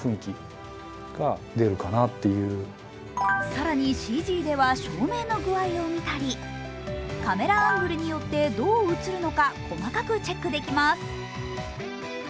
更に、ＣＧでは照明の具合を見たり、カメラアングルによってどう映るのか、細かくチェックできます。